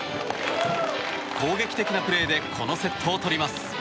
攻撃的なプレーでこのセットを取ります。